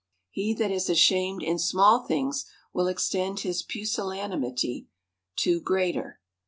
He that is ashamed in small things, will extend his pusillanimity to greater.